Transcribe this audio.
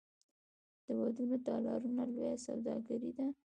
د ودونو تالارونه لویه سوداګري ده